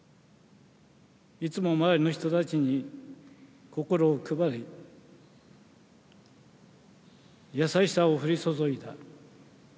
いつも周りの人たちに心を配り、優しさを降り注いだ。